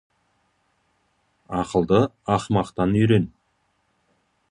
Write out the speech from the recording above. Ақылды ақымақтан үйрен.